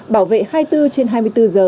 bảo vệ hai mươi bốn trên hai mươi bốn giờ